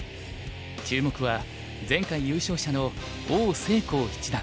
注目は前回優勝者の王星昊七段。